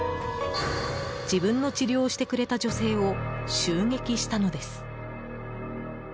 自分の治療をしてくれた女性を襲撃したのです。